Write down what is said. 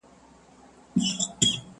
پسرلي به وي شیندلي سره ګلونه،